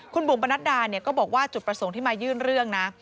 คุณบุ๋มปนัดดาก็บอกว่าจุดประสงค์ที่มายื่นเรื่องนะ